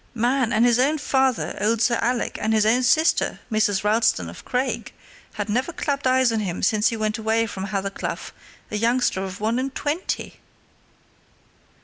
Man! his own father, old Sir Alec, and his own sister, Mrs. Ralston of Craig, had never clapped eyes on him since he went away from Hathercleugh a youngster of one and twenty!"